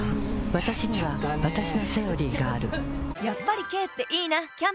わたしにはわたしの「セオリー」があるやっぱり軽っていいなキャンペーン